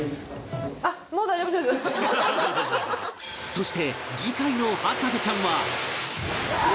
そして次回の『博士ちゃん』は